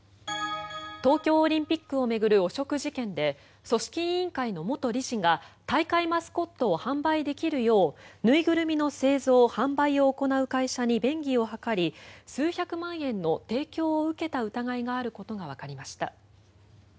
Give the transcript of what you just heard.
東京オリンピックを巡る汚職事件で組織委員会の元理事が大会マスコットを販売できるよう縫いぐるみの製造・販売を行う会社に便宜を図り数百万円の提供を受けた疑いがあることがわかりました。